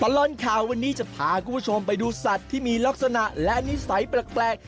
ตลอดข่าววันนี้จะพาคุณผู้ชมไปดูสัตว์ที่มีลักษณะและนิสัยแปลก